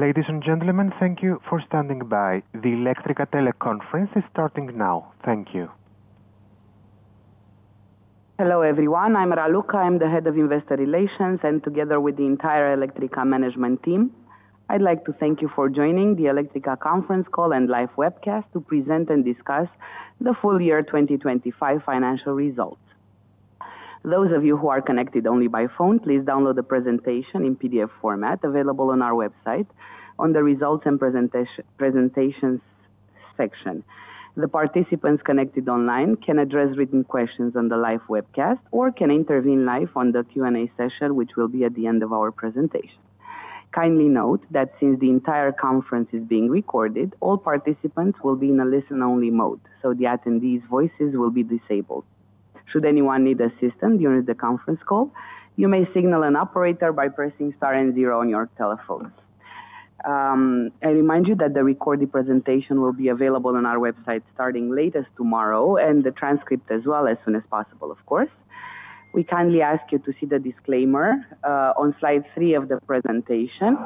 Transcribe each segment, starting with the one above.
Ladies and gentlemen, thank you for standing by. The Electrica teleconference is starting now. Thank you. Hello, everyone. I'm Raluca, I'm the Head of Investor Relations, and together with the entire Electrica management team, I'd like to thank you for joining the Electrica conference call and live webcast to present and discuss the full year 2025 financial results. Those of you who are connected only by phone, please download the presentation in PDF format available on our website on the Results and Presentations section. The participants connected online can address written questions on the live webcast or can intervene live on the Q&A session, which will be at the end of our presentation. Kindly note that since the entire conference is being recorded, all participants will be in a listen-only mode, so the attendees' voices will be disabled. Should anyone need assistance during the conference call, you may signal an operator by pressing star and zero on your telephones. I remind you that the recorded presentation will be available on our website starting latest tomorrow and the transcript as well as soon as possible of course. We kindly ask you to see the disclaimer on slide three of the presentation.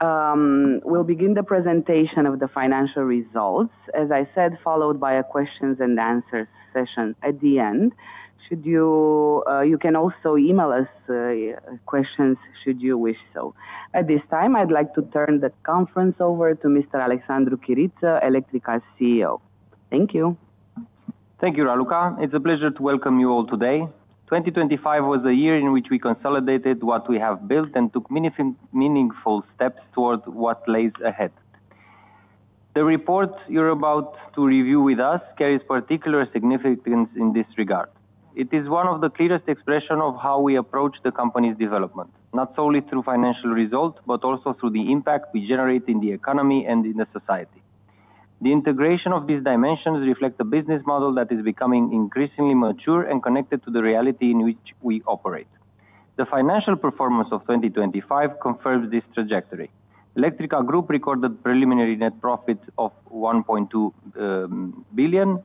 We'll begin the presentation of the financial results, as I said, followed by a questions and answers session at the end. You can also email us questions should you wish so. At this time, I'd like to turn the conference over to Mr. Alexandru Chiriță, Electrica CEO. Thank you. Thank you, Raluca. It's a pleasure to welcome you all today. 2025 was a year in which we consolidated what we have built and took meaningful steps towards what lays ahead. The report you're about to review with us carries particular significance in this regard. It is one of the clearest expression of how we approach the company's development, not solely through financial results, but also through the impact we generate in the economy and in the society. The integration of these dimensions reflect the business model that is becoming increasingly mature and connected to the reality in which we operate. The financial performance of 2025 confirms this trajectory. Electrica Group recorded preliminary net profit of RON 1.2 billion,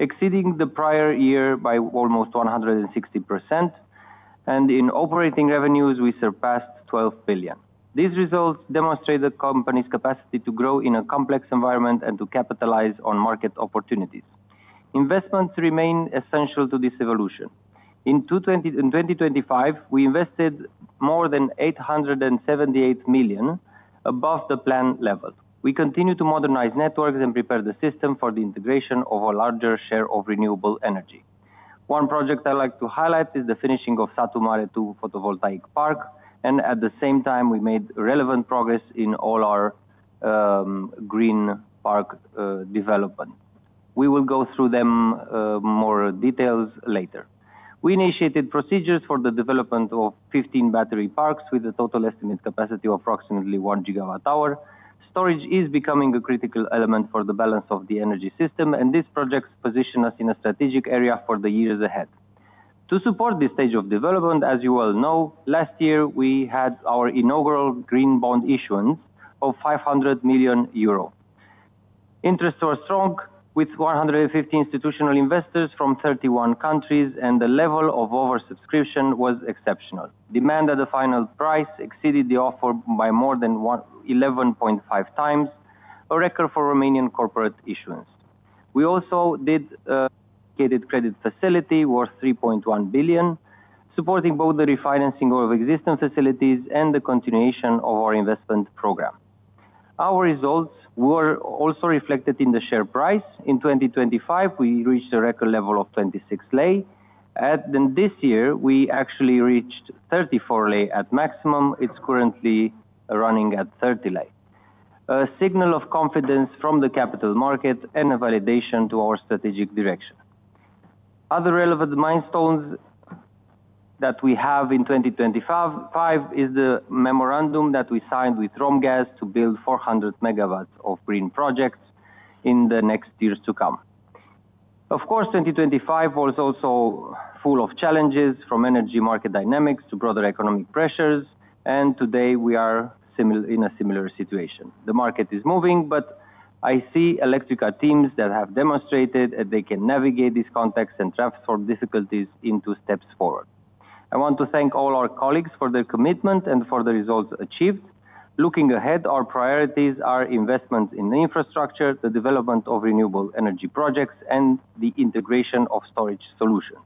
exceeding the prior year by almost 160%. In operating revenues, we surpassed RON 12 billion. These results demonstrate the company's capacity to grow in a complex environment and to capitalize on market opportunities. Investments remain essential to this evolution. In 2025, we invested more than RON 878 million above the planned level. We continue to modernize networks and prepare the system for the integration of a larger share of renewable energy. One project I'd like to highlight is the finishing of Satu Mare 2 Photovoltaic Park, and at the same time, we made relevant progress in all our green park development. We will go through them more details later. We initiated procedures for the development of 15 battery parks with a total estimated capacity of approximately 1 GWh. Storage is becoming a critical element for the balance of the energy system, and these projects position us in a strategic area for the years ahead. To support this stage of development, as you well know, last year, we had our inaugural green bond issuance of 500 million euro. Interests were strong with 150 institutional investors from 31 countries, and the level of oversubscription was exceptional. Demand at the final price exceeded the offer by more than 11.5x, a record for Romanian corporate issuance. We also did a dedicated credit facility worth 3.1 billion, supporting both the refinancing of existing facilities and the continuation of our investment program. Our results were also reflected in the share price. In 2025, we reached a record level of RON 26. In this year, we actually reached RON 34 at maximum. It's currently running at RON 30. A signal of confidence from the capital market and a validation to our strategic direction. Other relevant milestones that we have in 2025, fifth is the memorandum that we signed with Romgaz to build 400 MW of green projects in the next years to come. Of course, 2025 was also full of challenges from energy market dynamics to broader economic pressures, and today we are in a similar situation. The market is moving, but I see Electrica teams that have demonstrated that they can navigate these contexts and transform difficulties into steps forward. I want to thank all our colleagues for their commitment and for the results achieved. Looking ahead, our priorities are investments in infrastructure, the development of renewable energy projects, and the integration of storage solutions.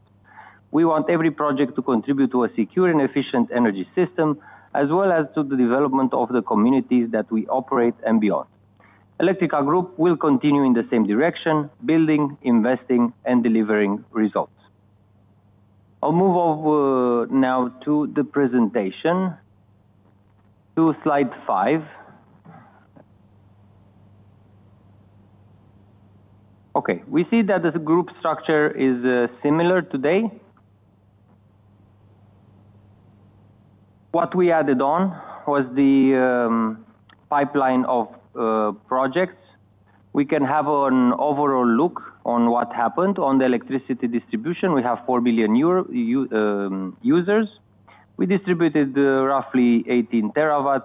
We want every project to contribute to a secure and efficient energy system, as well as to the development of the communities that we operate and beyond. Electrica Group will continue in the same direction, building, investing, and delivering results. I'll move over now to the presentation. To slide five. Okay. We see that the group structure is similar today. What we added on was the pipeline of projects. We can have an overall look on what happened. On the electricity distribution, we have 4 million users. We distributed roughly 18 TWh,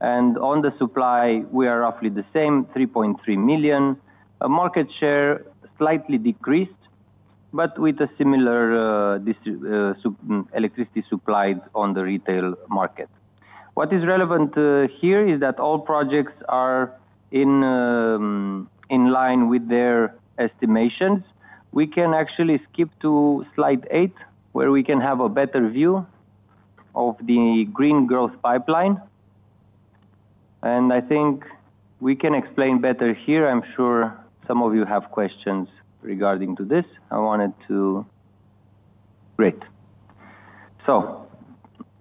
and on the supply, we are roughly the same, 3.3 million. Our market share slightly decreased but with a similar electricity supplied on the retail market. What is relevant here is that all projects are in line with their estimations. We can actually skip to slide eight, where we can have a better view of the green growth pipeline. I think we can explain better here. I'm sure some of you have questions regarding this. Great.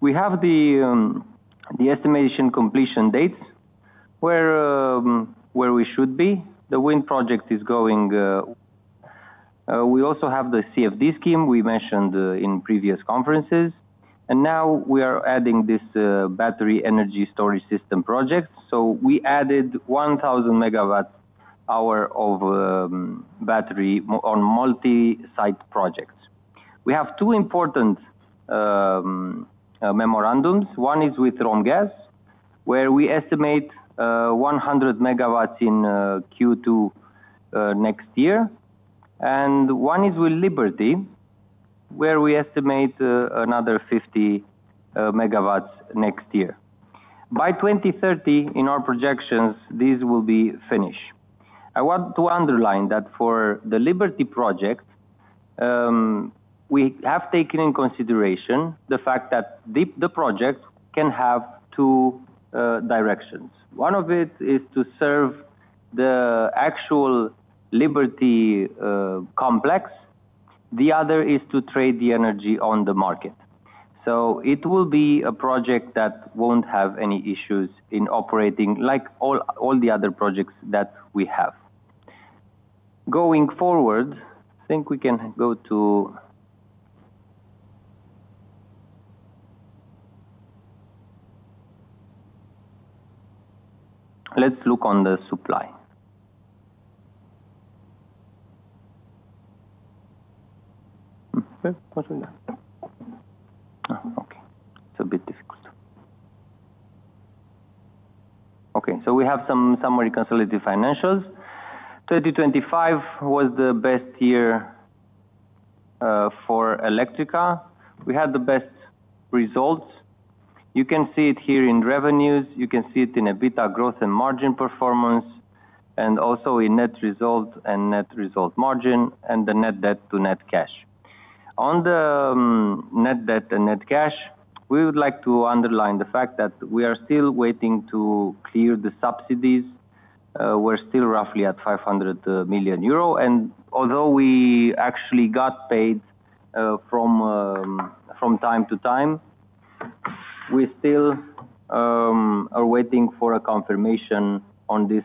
We have the estimation completion dates where we should be. The wind project is going, we also have the CFD scheme we mentioned in previous conferences, and now we are adding this battery energy storage system project. We added 1,000 MWh of battery on multi-site projects. We have two important memorandums. One is with Romgaz, where we estimate 100 MW in Q2 next year, and one is with LIBERTY, where we estimate another 50 MW next year. By 2030, in our projections, these will be finished. I want to underline that for the LIBERTY Project, we have taken in consideration the fact that the project can have two directions. One of it is to serve the actual LIBERTY Galați complex, the other is to trade the energy on the market. It will be a project that won't have any issues in operating, like all the other projects that we have. Going forward, I think we can go to the supply. It's a bit difficult. We have some summary consolidated financials. 2025 was the best year for Electrica. We had the best results. You can see it here in revenues, you can see it in EBITDA growth and margin performance, and also in net results and net result margin, and the net debt to net cash. On the net debt and net cash, we would like to underline the fact that we are still waiting to clear the subsidies. We're still roughly at 500 million euro, and although we actually got paid from time to time, we still are waiting for a confirmation on this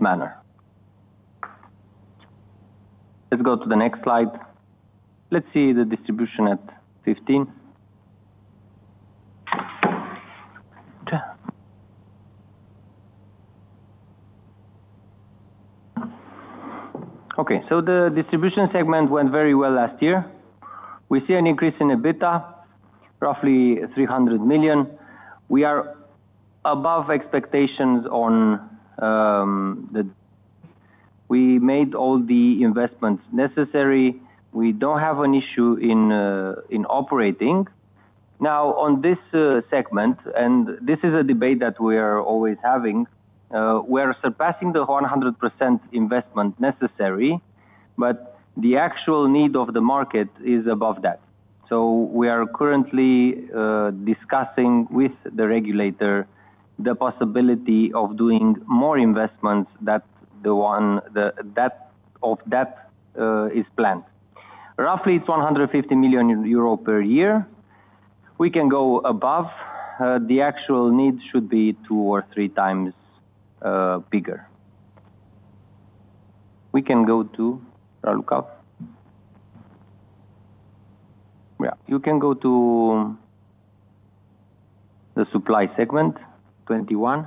matter. Let's go to the next slide. Let's see the distribution at 15. Okay, the distribution segment went very well last year. We see an increase in EBITDA, roughly RON 300 million. We are above expectations. We made all the investments necessary. We don't have an issue in operating. Now, on this segment, and this is a debate that we are always having, we are surpassing the 100% investment necessary, but the actual need of the market is above that. We are currently discussing with the regulator the possibility of doing more investments than the one that is planned. Roughly, it's 150 million euro per year. We can go above. The actual need should be 2x or 3x bigger. We can go to. Yeah. You can go to the supply segment, 21.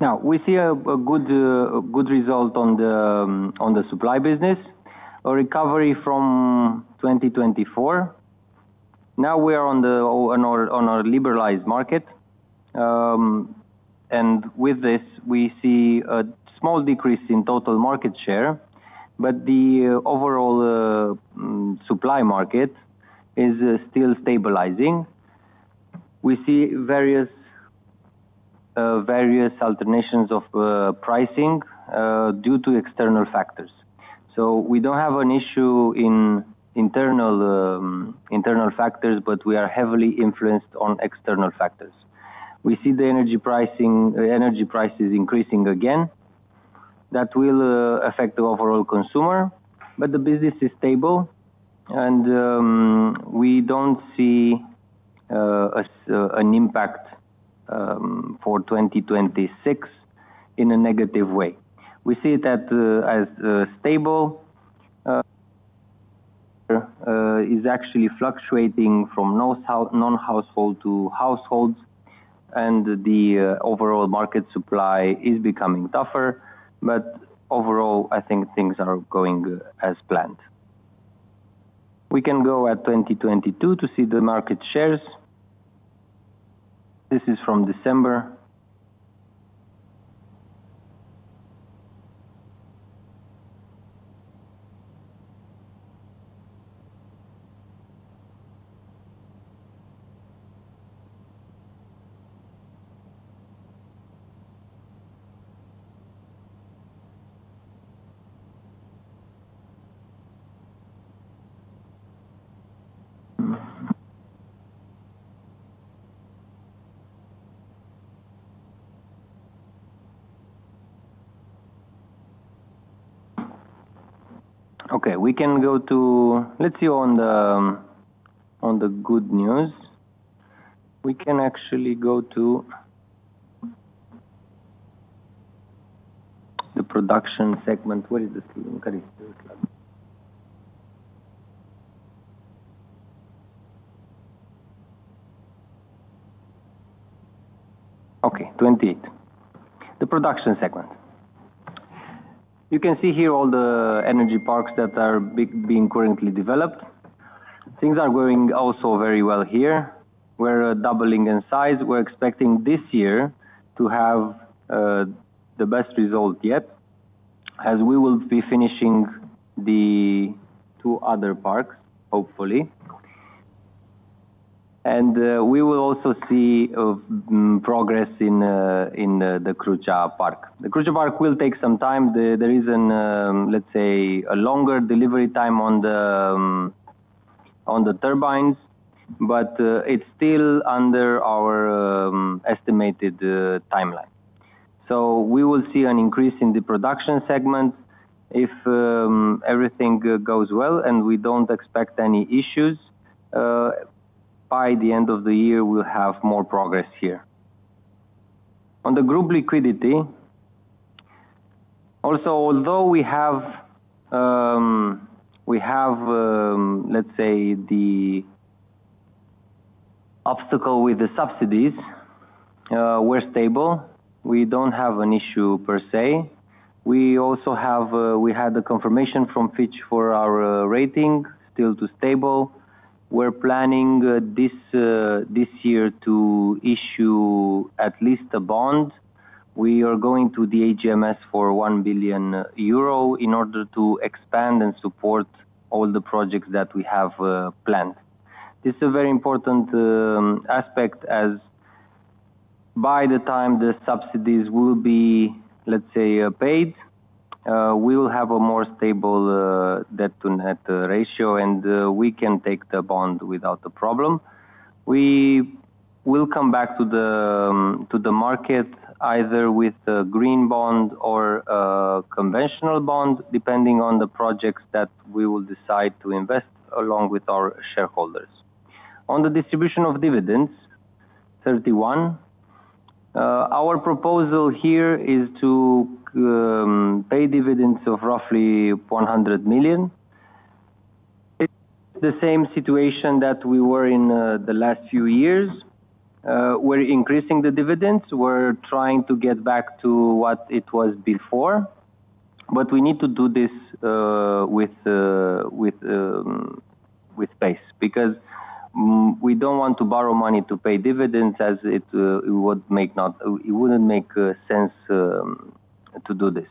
Now, we see a good result on the supply business, a recovery from 2024. Now we are on our liberalized market, and with this, we see a small decrease in total market share, but the overall supply market is still stabilizing. We see various alterations of pricing due to external factors. We don't have an issue in internal factors, but we are heavily influenced on external factors. We see the energy prices increasing again. That will affect the overall consumer, but the business is stable, and we don't see an impact for 2026 in a negative way. We see that as stable. It is actually fluctuating from non-household to households, and the overall market supply is becoming tougher. Overall, I think things are going as planned. We can go to 2022 to see the market shares. This is from December. Okay, we can go to the good news. Let's see on the good news. We can actually go to the production segment. Where is the screen, Karis? Okay, 28. The production segment. You can see here all the energy parks that are being currently developed. Things are going also very well here. We're doubling in size. We're expecting this year to have the best result yet, as we will be finishing the two other parks, hopefully. We will also see progress in the Crucea Park. The Crucea Park will take some time. There is a longer delivery time on the turbines, but it's still under our estimated timeline. We will see an increase in the production segment if everything goes well, and we don't expect any issues. By the end of the year, we'll have more progress here. On the group liquidity, also, although we have the obstacle with the subsidies, we're stable. We don't have an issue per se. We also had a confirmation from Fitch for our rating, still to stable. We're planning this year to issue at least a bond. We are going to the AGM for 1 billion euro in order to expand and support all the projects that we have planned. This is a very important aspect as by the time the subsidies will be, let's say, paid, we will have a more stable debt to net ratio, and we can take the bond without a problem. We will come back to the market either with a green bond or a conventional bond, depending on the projects that we will decide to invest along with our shareholders. On the distribution of dividends, our proposal here is to pay dividends of roughly RON 100 million. It's the same situation that we were in the last few years. We're increasing the dividends. We're trying to get back to what it was before. We need to do this with pace, because we don't want to borrow money to pay dividends as it wouldn't make sense to do this.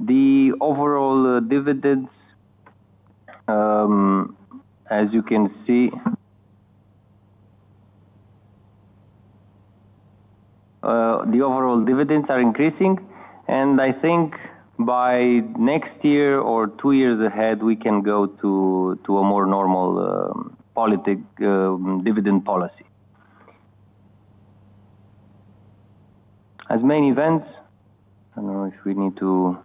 The overall dividends as you can see are increasing, and I think by next year or two years ahead, we can go to a more normal dividend policy. As main events, I don't know if we need to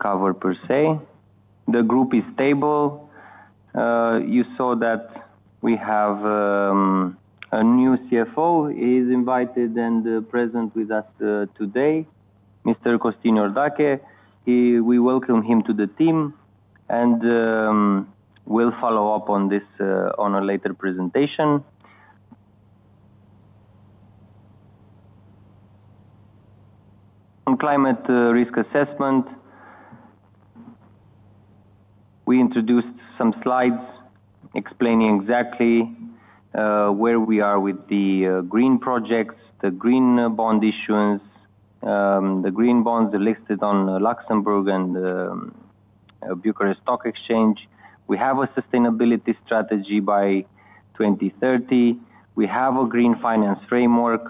cover per se. The group is stable. You saw that we have a new CFO. He's invited and present with us today, Mr. Costin Iordache. We welcome him to the team and we'll follow up on this on a later presentation. On climate risk assessment, we introduced some slides explaining exactly where we are with the green projects, the green bond issuance, the green bonds listed on Luxembourg and Bucharest Stock Exchange. We have a sustainability strategy by 2030. We have a green finance framework,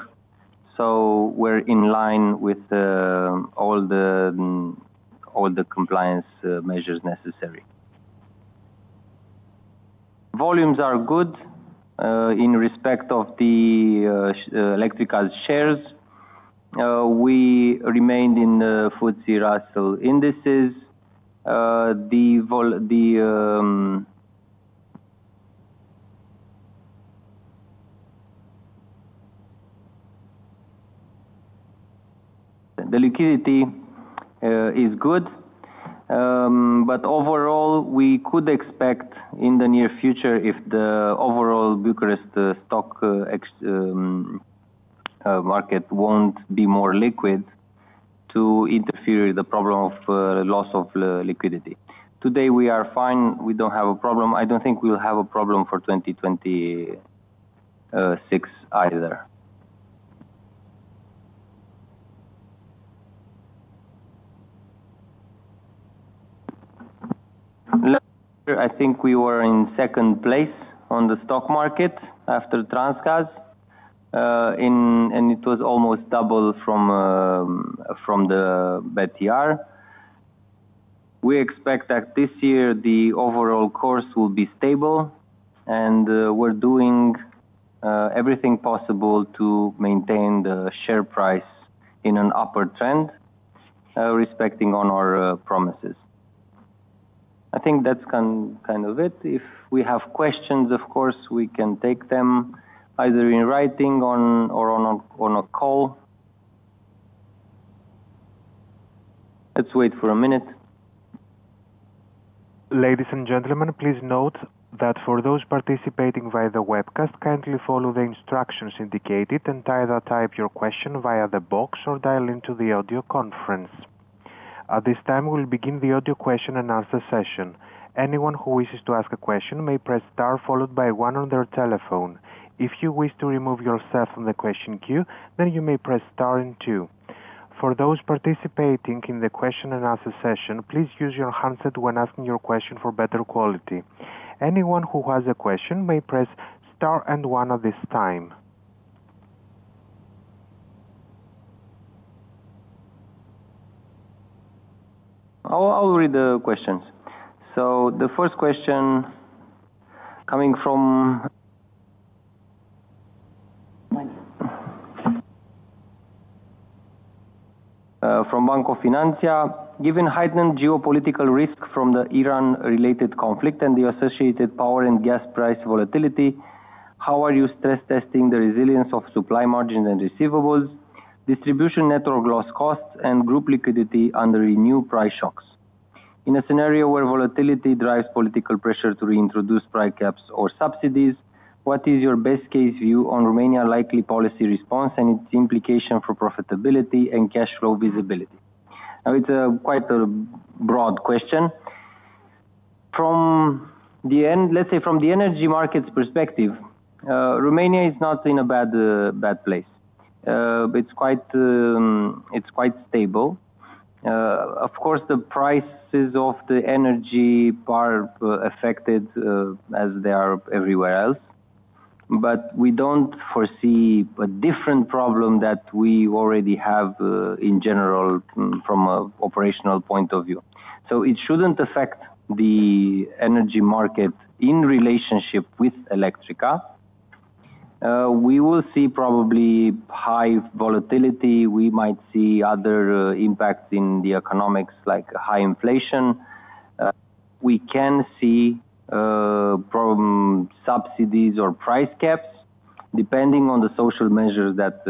so we're in line with all the compliance measures necessary. Volumes are good in respect of the Electrica shares. We remained in the FTSE Russell indices. The liquidity is good. But overall, we could expect in the near future, if the overall Bucharest Stock Exchange market won't be more liquid, the problem of loss of liquidity. Today we are fine. We don't have a problem. I don't think we'll have a problem for 2026 either. Last year, I think we were in second place on the stock market after Transgaz. It was almost double from the BET. We expect that this year the overall course will be stable, and we're doing everything possible to maintain the share price in an upward trend, respecting our promises. I think that's kind of it. If we have questions, of course, we can take them either in writing or on a call. Let's wait for a minute. Ladies and gentlemen, please note that for those participating via the webcast, kindly follow the instructions indicated and either type your question via the box or dial into the audio conference. At this time, we'll begin the audio question-and answer session. Anyone who wishes to ask a question may press star followed by one on their telephone. If you wish to remove yourself from the question queue, then you may press star and two. For those participating in the question and answer session, please use your handset when asking your question for better quality. Anyone who has a question may press star and one at this time. I'll read the questions. The first question coming from Banco Finantia. Given heightened geopolitical risk from the Iran-related conflict and the associated power and gas price volatility, how are you stress testing the resilience of supply margins and receivables, distribution network loss costs, and group liquidity under renewed price shocks? In a scenario where volatility drives political pressure to reintroduce price caps or subsidies, what is your best case view on Romania likely policy response and its implication for profitability and cash flow visibility? It's quite a broad question. Let's say from the energy market's perspective, Romania is not in a bad place. It's quite stable. Of course, the prices of the energy are affected as they are everywhere else. We don't foresee a different problem that we already have in general from an operational point of view. It shouldn't affect the energy market in relationship with Electrica. We will see probably high volatility. We might see other impacts in the economics like high inflation. We can see problem subsidies or price caps depending on the social measures that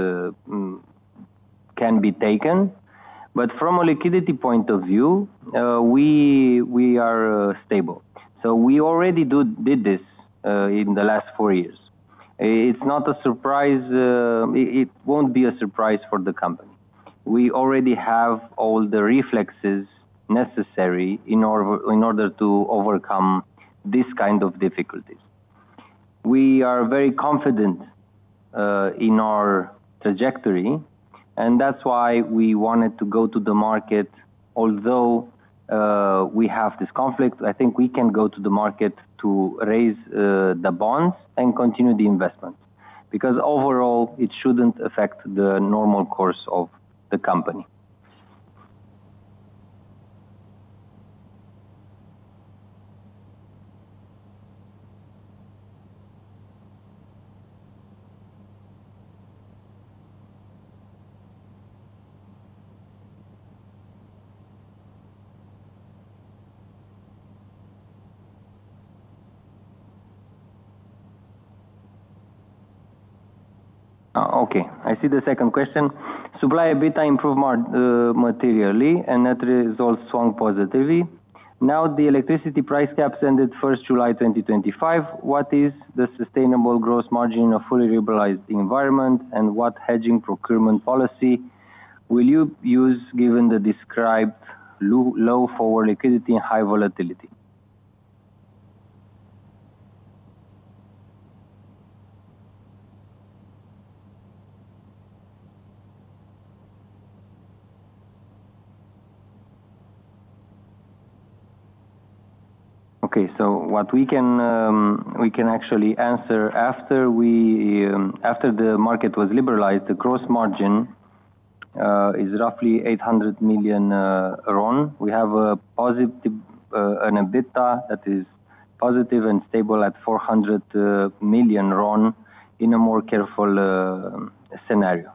can be taken. From a liquidity point of view, we are stable. We already did this in the last four years. It's not a surprise, it won't be a surprise for the company. We already have all the reflexes necessary in order to overcome this kind of difficulties. We are very confident in our trajectory, and that's why we wanted to go to the market. Although we have this conflict, I think we can go to the market to raise the bonds and continue the investment. Because overall, it shouldn't affect the normal course of the company. Okay, I see the second question. Supply EBITDA improved materially, and net results swung positively. Now the electricity price caps ended 1st July 2025. What is the sustainable gross margin in a fully liberalized environment, and what hedging procurement policy will you use given the described low forward liquidity and high volatility? Okay, so what we can, we can actually answer after we, after the market was liberalized, the gross margin is roughly RON 800 million. We have a positive EBITDA that is positive and stable at RON 400 million in a more careful scenario.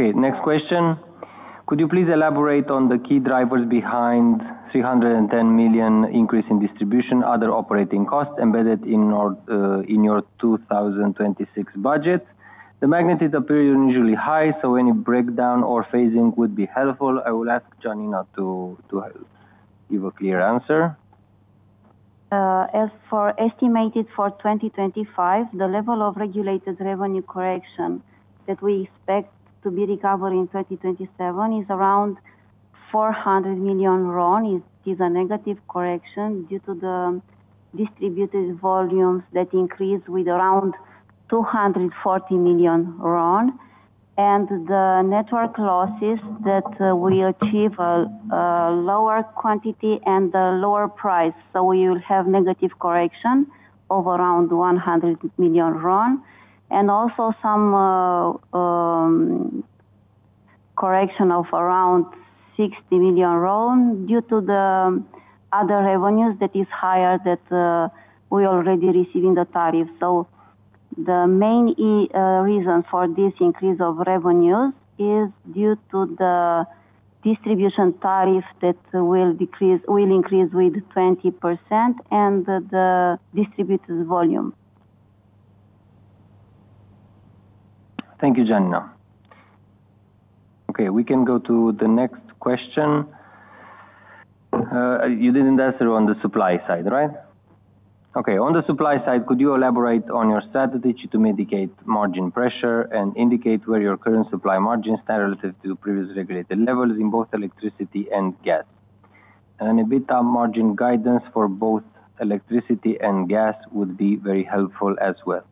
Okay, next question. Could you please elaborate on the key drivers behind RON 310 million increase in distribution, other operating costs embedded in your in your 2026 budget? The magnitude appear unusually high, so any breakdown or phasing would be helpful. I will ask Janina to give a clear answer. As for estimates for 2025, the level of regulated revenue correction that we expect to be recovered in 2027 is around RON 400 million. It is a negative correction due to the distributed volumes that increase with around RON 240 million. The network losses that we achieve a lower quantity and a lower price. We will have negative correction of around RON 100 million. Correction of around RON 60 million due to the other revenues that is higher that we are already receiving the tariff. The main reason for this increase of revenues is due to the distribution tariff that will increase with 20% and the distributed volume. Thank you, Janina. Okay, we can go to the next question. You didn't answer on the supply side, right? Okay. On the supply side, could you elaborate on your strategy to mitigate margin pressure and indicate where your current supply margins stand relative to previous regulated levels in both electricity and gas? And EBITDA margin guidance for both electricity and gas would be very helpful as well.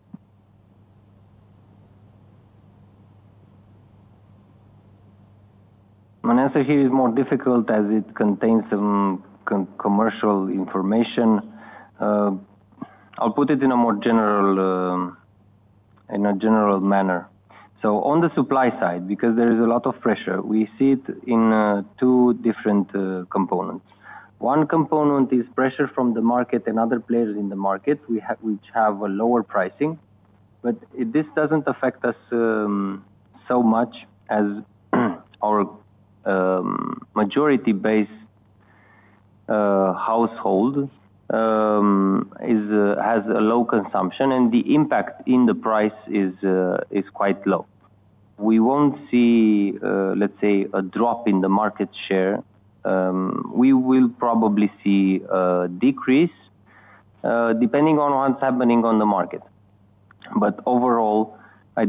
My answer here is more difficult as it contains some confidential commercial information. I'll put it in a more general manner. On the supply side, because there is a lot of pressure, we see it in two different components. One component is pressure from the market and other players in the market which have a lower pricing. This doesn't affect us so much as our majority base, household, has a low consumption, and the impact in the price is quite low. We won't see, let's say, a drop in the market share. We will probably see a decrease, depending on what's happening on the market. Overall, we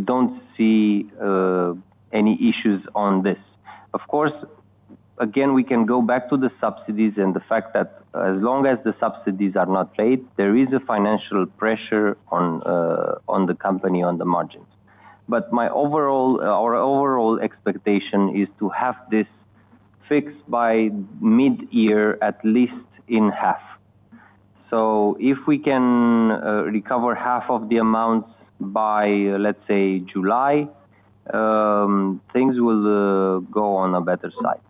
don't see any issues on this. Of course, again, we can go back to the subsidies and the fact that as long as the subsidies are not paid, there is a financial pressure on the company, on the margins. Our overall expectation is to have this fixed by mid-year, at least in half. If we can recover half of the amounts by, let's say, July, things will go on a better side.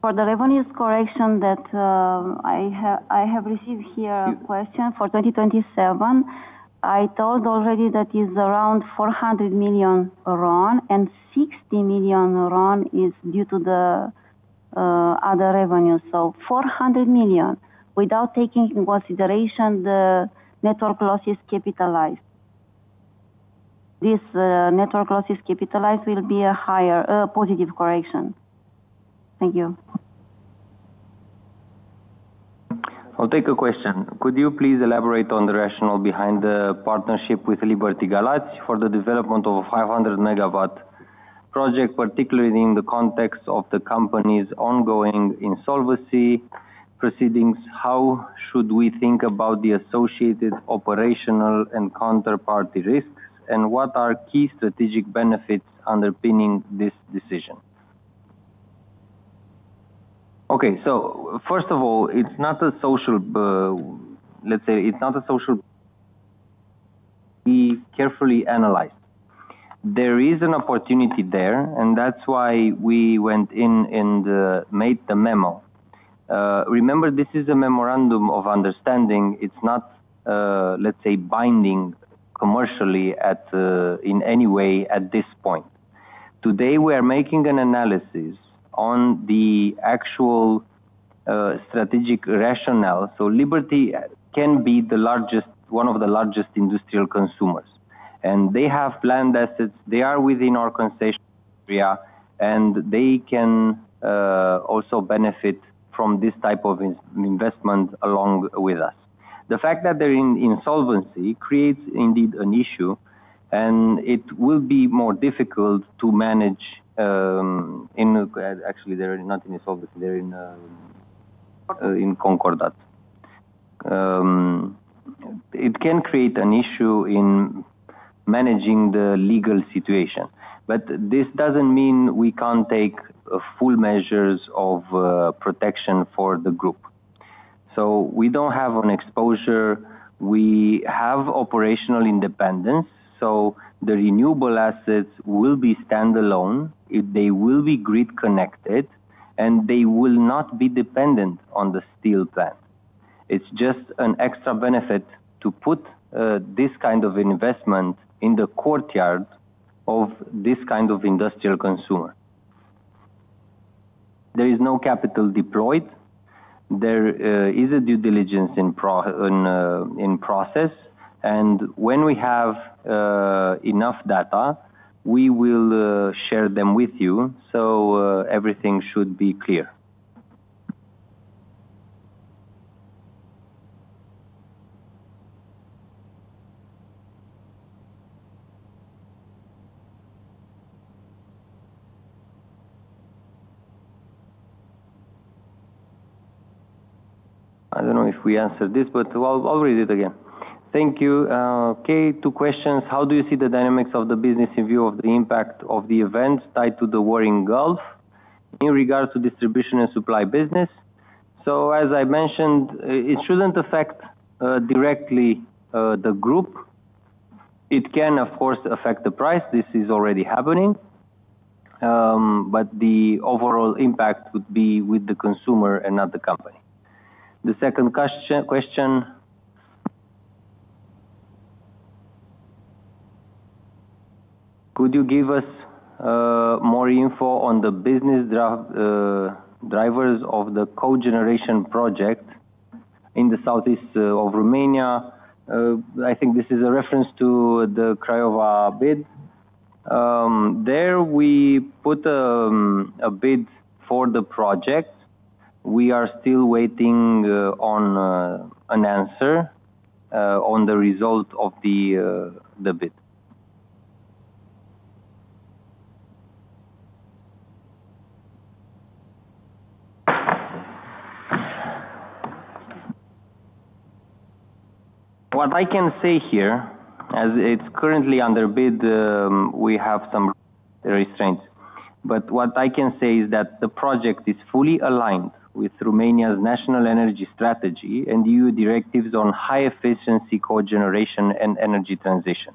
For the revenues correction that, I have received here a question for 2027. I told already that is around RON 400 million, and RON 60 million is due to the other revenues. RON 400 million, without taking into consideration the network losses capitalized. This network losses capitalized will be a higher positive correction. Thank you. I'll take a question. Could you please elaborate on the rationale behind the partnership with LIBERTY Galati for the development of a 500 MW project, particularly in the context of the company's ongoing insolvency proceedings? How should we think about the associated operational and counterparty risks, and what are key strategic benefits underpinning this decision? Okay. First of all, it's not a social, let's say, we carefully analyzed. There is an opportunity there, and that's why we went in and made the memo. Remember this is a memorandum of understanding. It's not, let's say, binding commercially in any way at this point. Today, we are making an analysis on the actual strategic rationale. Liberty can be the largest, one of the largest industrial consumers. They have land assets, they are within our concession area, and they can also benefit from this type of investment along with us. The fact that they're in insolvency creates indeed an issue, and it will be more difficult to manage, and actually they're not in insolvency, they're in concordat. It can create an issue in managing the legal situation. This doesn't mean we can't take full measures of protection for the group. We don't have an exposure. We have operational independence, so the renewable assets will be standalone. They will be grid connected, and they will not be dependent on the steel plant. It's just an extra benefit to put this kind of investment in the courtyard of this kind of industrial consumer. There is no capital deployed. There is a due diligence in process and when we have enough data, we will share them with you, so everything should be clear. I don't know if we answered this, but I'll read it again. Thank you. Okay, two questions. How do you see the dynamics of the business in view of the impact of the events tied to the war in Gulf in regards to distribution and supply business? As I mentioned, it shouldn't affect directly the group. It can, of course, affect the price. This is already happening. The overall impact would be with the consumer and not the company. The second question, could you give us more info on the business drivers of the cogeneration project in the southeast of Romania? I think this is a reference to the Craiova bid. There we put a bid for the project. We are still waiting on an answer on the result of the bid. What I can say here, as it's currently under bid, we have some restraints. What I can say is that the project is fully aligned with Romania's national energy strategy and EU directives on high efficiency cogeneration and energy transition.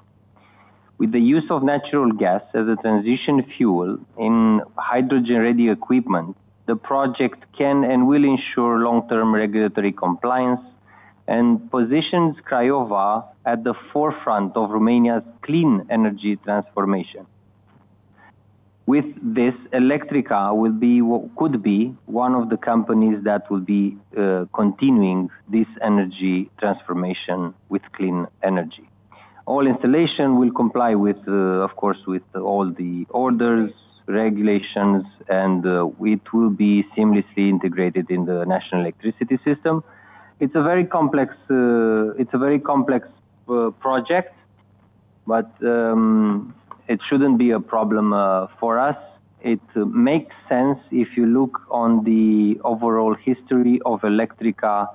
With the use of natural gas as a transition fuel in hydrogen-ready equipment, the project can and will ensure long-term regulatory compliance and positions Craiova at the forefront of Romania's clean energy transformation. With this, Electrica could be one of the companies that will be continuing this energy transformation with clean energy. All installation will comply with, of course, with all the orders, regulations, and, it will be seamlessly integrated in the national electricity system. It's a very complex project, but it shouldn't be a problem for us. It makes sense if you look on the overall history of Electrica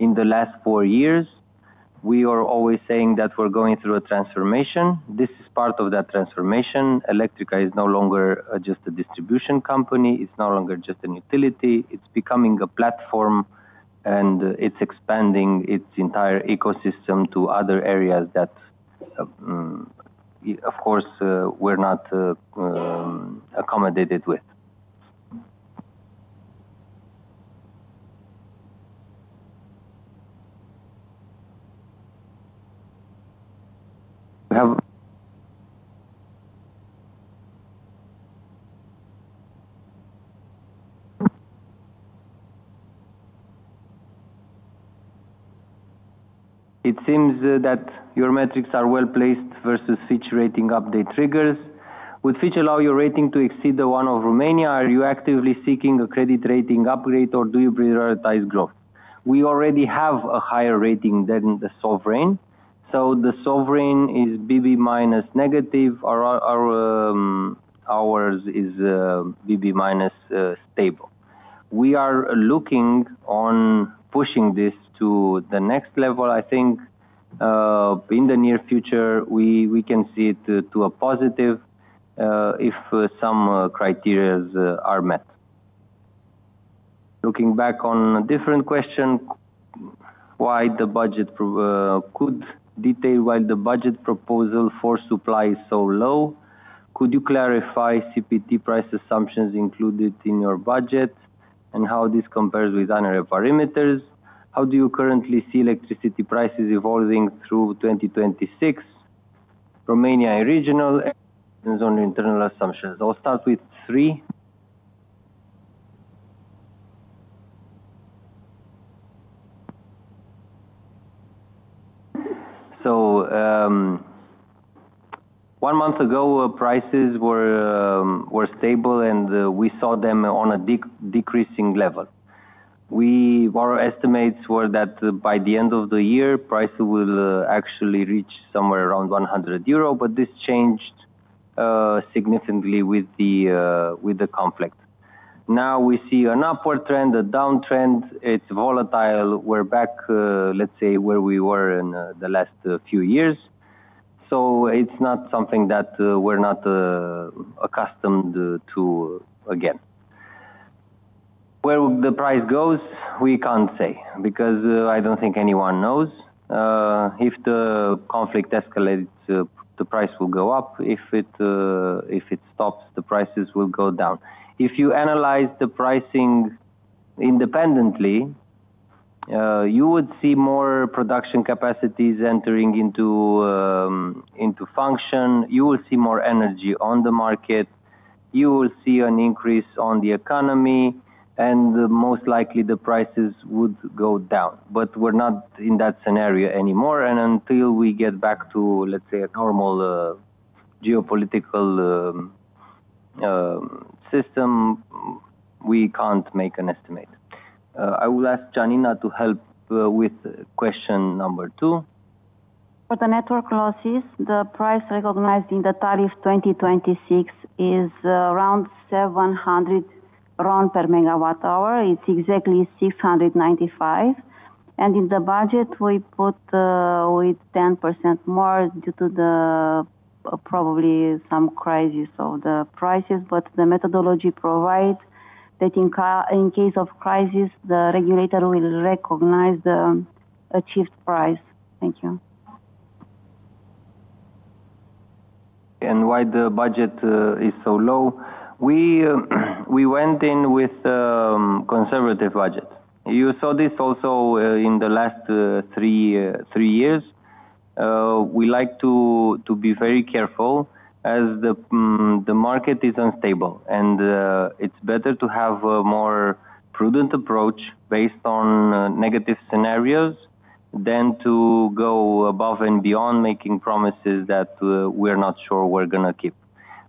in the last four years. We are always saying that we're going through a transformation. This is part of that transformation. Electrica is no longer just a distribution company, it's no longer just an utility. It's becoming a platform, and it's expanding its entire ecosystem to other areas that, of course, we're not accommodated with. It seems that your metrics are well-placed versus Fitch rating update triggers. Would Fitch allow your rating to exceed the one of Romania? Are you actively seeking a credit rating upgrade, or do you prioritize growth? We already have a higher rating than the sovereign. The sovereign is BB minus negative. Ours is BB minus stable. We are looking on pushing this to the next level. I think in the near future we can see it to a positive if some criteria are met. Looking back on a different question, why the budget proposal for supply is so low. Could you clarify CTP price assumptions included in your budget and how this compares with ANRE parameters? How do you currently see electricity prices evolving through 2026, Romania regional on internal assumptions? I'll start with three. One month ago prices were stable, and we saw them on a decreasing level. Our estimates were that by the end of the year, price will actually reach somewhere around 100 euro, but this changed significantly with the conflict. Now we see an upward trend, a downtrend. It's volatile. We're back, let's say, where we were in the last few years. It's not something that we're not accustomed to again. Where the price goes, we can't say, because I don't think anyone knows. If the conflict escalates, the price will go up. If it stops, the prices will go down. If you analyze the pricing independently, you would see more production capacities entering into function. You will see more energy on the market. You will see an increase on the economy, and most likely, the prices would go down. We're not in that scenario anymore. Until we get back to, let's say, a normal geopolitical system, we can't make an estimate. I will ask Janina to help with question number two. For the network losses, the price recognized in the tariff 2026 is around RON 700 per MWh. It's exactly RON 695. In the budget, we put with 10% more due to the probably some crisis or the prices. The methodology provides that in case of crisis, the regulator will recognize the achieved price. Thank you. Why the budget is so low. We went in with conservative budget. You saw this also in the last three years. We like to be very careful as the market is unstable, and it's better to have a more prudent approach based on negative scenarios than to go above and beyond making promises that we're not sure we're gonna keep.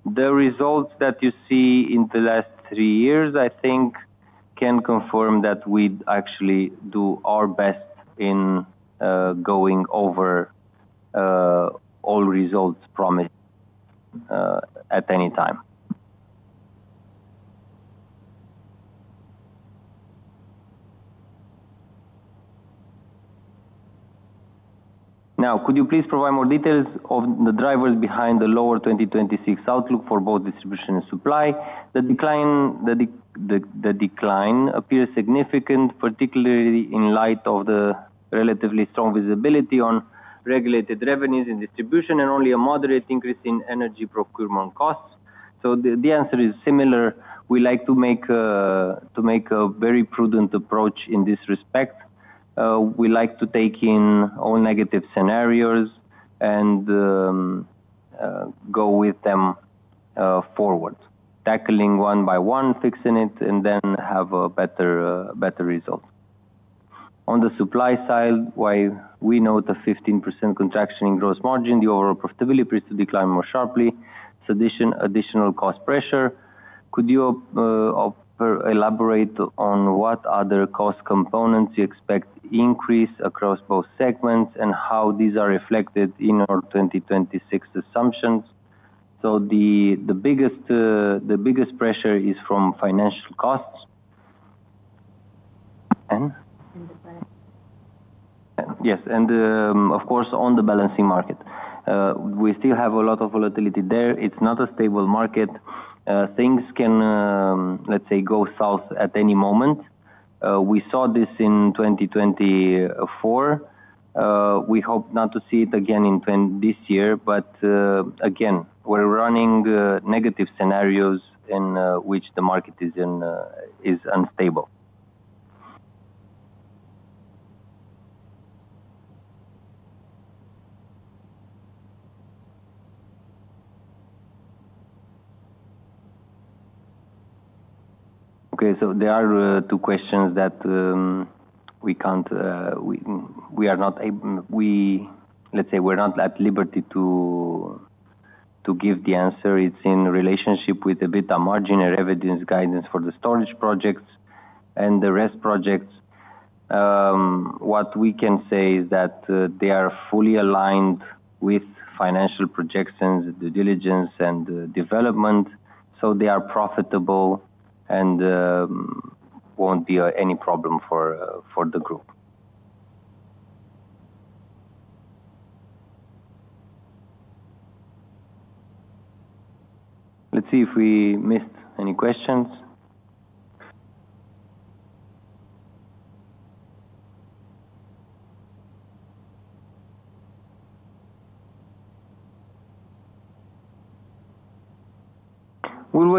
The results that you see in the last three years, I think, can confirm that we'd actually do our best in going over all results promised at any time. Now, could you please provide more details of the drivers behind the lower 2026 outlook for both distribution and supply? The decline appears significant, particularly in light of the relatively strong visibility on regulated revenues and distribution, and only a moderate increase in energy procurement costs. The answer is similar. We like to make a very prudent approach in this respect. We like to take in all negative scenarios and go with them forward, tackling one by one, fixing it, and then have a better result. On the supply side, while we note a 15% contraction in gross margin, the overall profitability appears to decline more sharply. Additional cost pressure. Could you elaborate on what other cost components you expect to increase across both segments and how these are reflected in your 2026 assumptions? The biggest pressure is from financial costs. And? In the balance. Yes. Of course, on the balancing market. We still have a lot of volatility there. It's not a stable market. Things can, let's say, go south at any moment. We saw this in 2024. We hope not to see it again this year, but again, we're running negative scenarios in which the market is unstable. There are two questions that, let's say, we're not at liberty to give the answer. It's in relation to a bit of management's guidance for the storage projects and the RES projects. What we can say is that they are fully aligned with financial projections, due diligence and development, so they are profitable and won't be any problem for the group. Let's see if we missed any questions.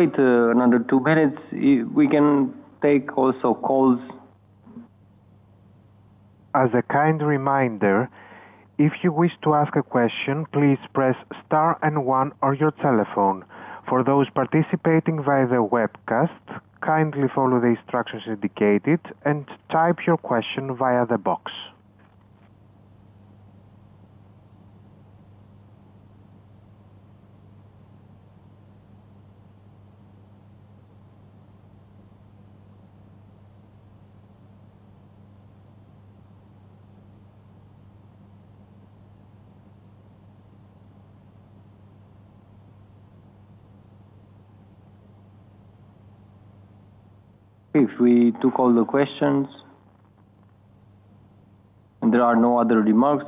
We'll wait another two minutes. We can take also calls. As a kind reminder, if you wish to ask a question, please press star and one on your telephone. For those participating via the webcast, kindly follow the instructions indicated and type your question via the box. If we took all the questions and there are no other remarks,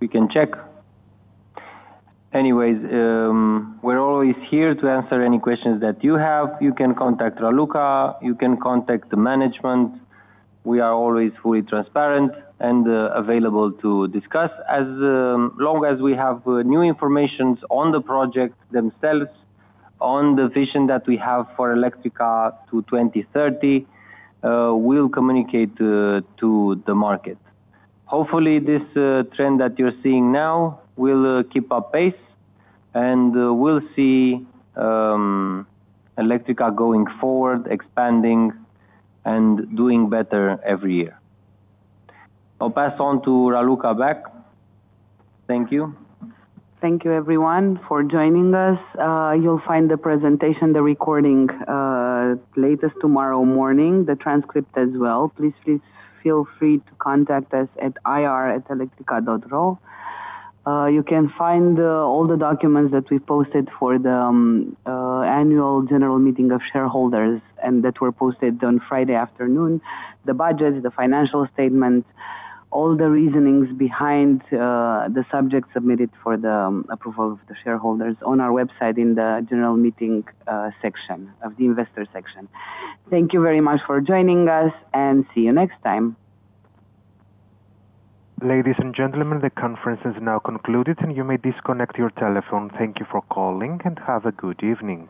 we can check. Anyway, we're always here to answer any questions that you have. You can contact Raluca, you can contact the management. We are always fully transparent and available to discuss. As long as we have new information on the projects themselves, on the vision that we have for Electrica to 2030, we'll communicate to the market. Hopefully this trend that you're seeing now will keep up pace and we'll see Electrica going forward, expanding and doing better every year. I'll pass on to Raluca back. Thank you. Thank you everyone for joining us. You'll find the presentation, the recording latest tomorrow morning, the transcript as well. Please feel free to contact us at ir@electrica.ro. You can find all the documents that we posted for the annual general meeting of shareholders and that were posted on Friday afternoon. The budget, the financial statement, all the reasonings behind the subjects submitted for the approval of the shareholders on our website in the general meeting section of the investor section. Thank you very much for joining us, and see you next time. Ladies and gentlemen, the conference is now concluded, and you may disconnect your telephone. Thank you for calling and have a good evening.